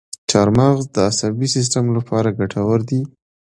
چارمغز د عصبي سیستم لپاره ګټور دی.